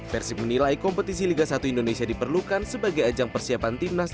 persib menilai kompetisi liga satu indonesia diperlukan sebagai ajang persiapan timnas